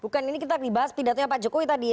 bukan ini kita dibahas pidatnya pak jokowi tadi